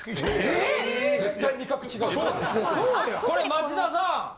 これ町田さん！